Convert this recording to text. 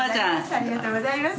ありがとうございます。